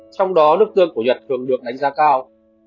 trong đó nước tương của nhật thường được đánh giá cao